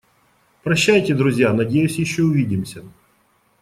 Прощайте друзья, надеюсь ещё увидимся!